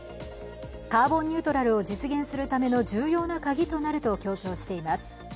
カーボンニュートラルを実現するための重要な鍵となると強調しています。